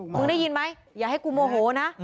ได้ยินไหมอย่าให้กูโมโหนะ